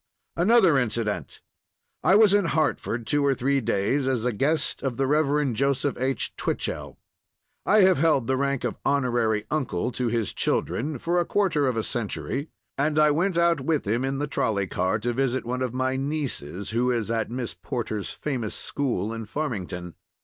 Another incident. I was in Hartford two or three days as a guest of the Rev. Joseph H. Twichell. I have held the rank of Honorary Uncle to his children for a quarter of a century, and I went out with him in the trolley car to visit one of my nieces, who is at Miss Porter's famous school in Farmington.